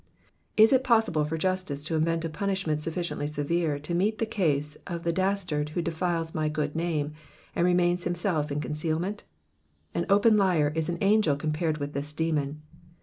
Is it possible for justice to invent a punishment sufllciently severe to meet the/ case of the dastard who defiles my good name, and remains himself in concealment ? An open liar is an angel compared with this demon.